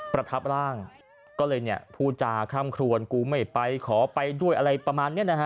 ประทับร่างก็เลยพูดจาคร่ำครวนกูไม่ไปขอไปด้วยอะไรประมาณนี้นะฮะ